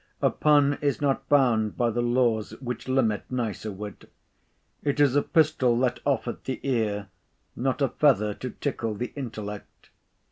A pun is not bound by the laws which limit nicer wit. It is a pistol let off at the ear; not a feather to tickle the intellect.